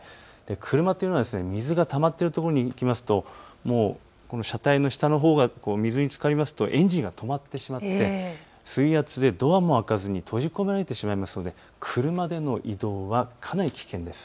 車というのは水がたまっている所に行くと車体の下のほうが水につかるとエンジンが止まってしまって水圧でドアも開かずに閉じ込められてしまうので車での移動はかなり危険です。